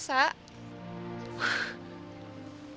jadi aku bisa ngerasa